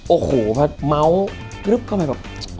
โอ้โหเมาส์ก็ไปแบบ